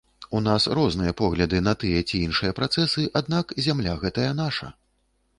У нас розныя погляды на тыя ці іншыя працэсы, аднак зямля гэтая наша.